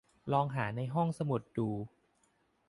ลองหาในห้องสมุดดู